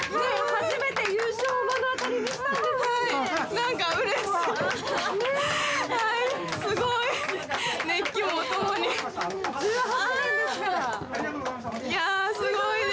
初めて優勝を目の当たりにしたんですよね。